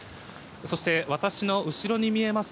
そして私の後ろに見えます